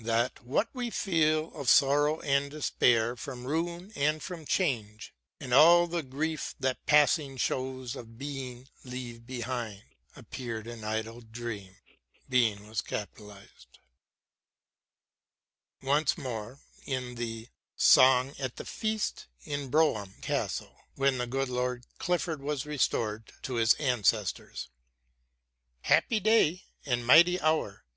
That what we feel of sorrow and despair From ruin and from change, and all the grief That passing shows of Being leave behind, Appear'd an idle dream. Once more, in the "Song at the Feast of Brougham Castle," when the good Lord Clifford was restored to his ancestors : Happy day, and mighty hour.